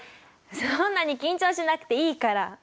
そんなに緊張しなくていいから。